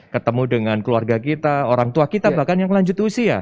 ketemu dengan keluarga kita orang tua kita bahkan yang lanjut usia